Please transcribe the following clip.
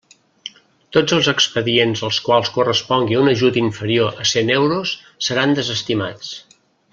Tots els expedients als quals correspongui un ajut inferior a cent euros seran desestimats.